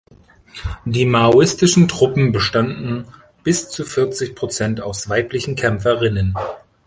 Die maoistischen Truppen bestanden bis zu vierzig Prozent aus weiblichen Kämpferinnen.